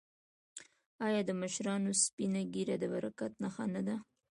آیا د مشرانو سپینه ږیره د برکت نښه نه ده؟